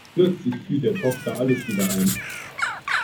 Plötzlich fiel der Tochter alles wieder ein.